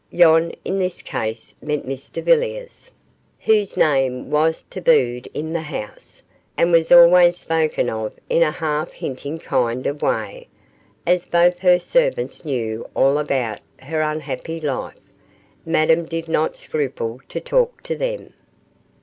'Yon' in this case meant Mr Villiers, whose name was tabooed in the house, and was always spoken of in a half hinting kind of way. As both her servants knew all about her unhappy life, Madame did not scruple to talk to them.